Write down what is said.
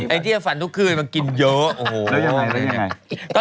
ไอ้ที่จะฝันทุกคืนมันกินเยอะโอ้โห